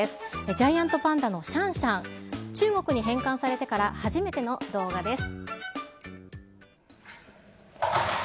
ジャイアントパンダのシャンシャン、中国に返還されてから初めての動画です。